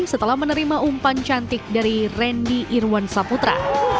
setelah menerima umpan cantik dari randy irwansaputra